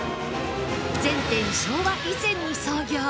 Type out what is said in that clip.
全店昭和以前に創業